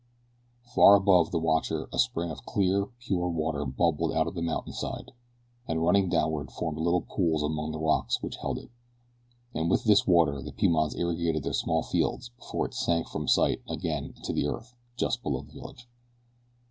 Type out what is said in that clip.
Far above the watcher a spring of clear, pure water bubbled out of the mountain side, and running downward formed little pools among the rocks which held it. And with this water the Pimans irrigated their small fields before it sank from sight again into the earth just below their village.